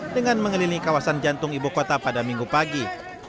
dengan mengelilingi kawasan jantung ibu kota pada minggu pagi